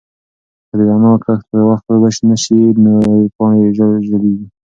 که د نعناع کښت په وخت اوبه نشي نو پاڼې یې ډېرې ژر وچیږي.